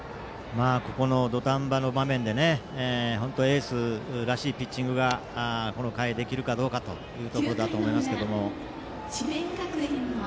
土壇場の場面でエースらしいピッチングがこの回、できるかどうかというところだと思いますが。